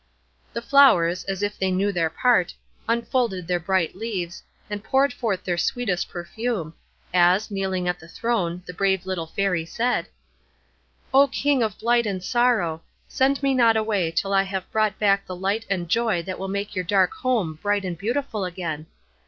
The flowers, as if they knew their part, unfolded their bright leaves, and poured forth their sweetest perfume, as, kneeling at the throne, the brave little Fairy said,— "O King of blight and sorrow, send me not away till I have brought back the light and joy that will make your dark home bright and beautiful again.